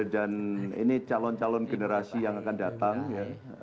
ini calon calon generasi yang akan datang ya